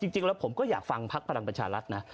จริงแล้วผมก็อยากฟังพักพลังประชารัฐนะ